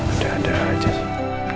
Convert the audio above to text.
ada ada aja sih